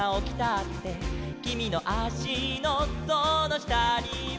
「きみのあしのそのしたには」